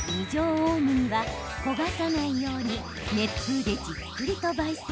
大麦は焦がさないように熱風でじっくりと、ばい煎。